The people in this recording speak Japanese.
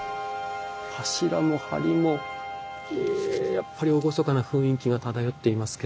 柱もはりもやっぱり厳かな雰囲気が漂っていますけれども。